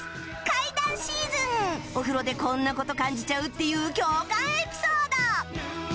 怪談シーズンお風呂でこんな事感じちゃうっていう共感エピソード